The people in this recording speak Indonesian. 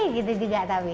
gitu juga tapi